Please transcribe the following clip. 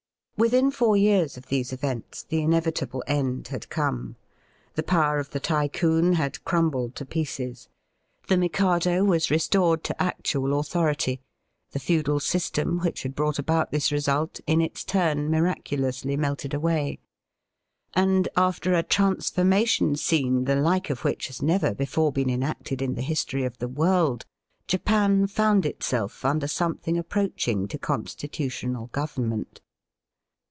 Within four years of these events the inevitable end had come. The power of the Tycoon had crumbled to pieces. The Digitized by VjOOQIC A PERSONAL EPISODE IN HISTORT, 33 Mikado was restored to actual authority ; the feudal system which had brought about this result in its turn miraculously melted away ; and after a transformation scene the like of which has never before been enacted in the history of the world, Japan found itself under something approaching to constitutional government.